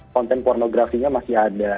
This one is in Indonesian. konten pornografinya masih ada